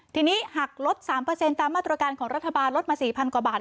ทีนี้หักลด๓ตามมาตรการของรัฐบาลลดมา๔๐๐กว่าบาท